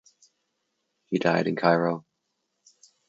He died in Cairo.